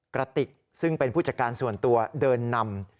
กระติกซึ่งเป็นผู้จัดการส่วนตัวเดินนำ